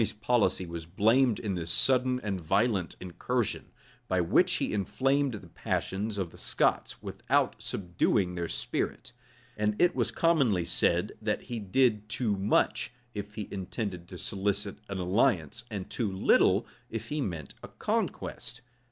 Henry's policy was blamed in this sudden and violent incursion, by which he inflamed the passions of the Scots, without subduing their spirit; and it was commonly said, that he did too much, if he intended to solicit an alliance, and too little, if he meant a conquest.